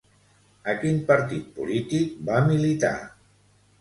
A quin partit polític va militar?